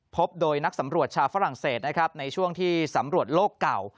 พบโดยนักสำรวจชาวฝรั่งเศสนะครับในช่วงที่สำรวจโลกเก่า